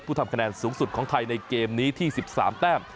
ทำคะแนนสูงสุดของไทยในเกมนี้ที่๑๓แต้ม